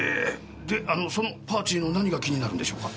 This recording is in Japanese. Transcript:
であのその「パーチー」の何が気になるんでしょうか？